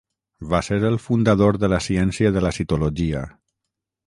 Va ser el fundador de la ciència de la citologia.